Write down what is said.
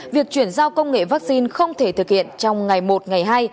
việc chuyển giao công nghệ vaccine không thể thực hiện trong ngày một ngày hai